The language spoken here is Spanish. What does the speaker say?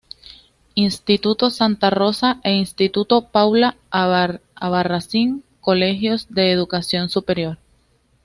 Instituto "Santa Rosa" e Instituto "Paula Albarracín" colegios de educación superior.